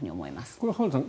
これは浜田さん